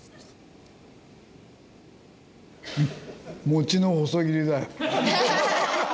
もちの細切りだよ。